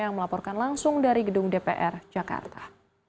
yang melaporkan langsung dari gedung dpr jakarta